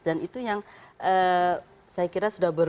dan itu yang saya kira sudah berkali kali dimunculkan di bnpt